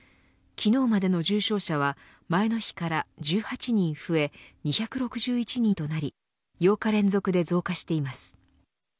昨日までの重症者は前の日から１８人増え２６１人となり８日連続で増加しています。